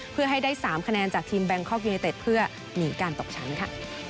เพื่อให้ได้๓คะแนนจากทีมแบงคอกยูเนเต็ดเพื่อหนีการตกชั้นค่ะ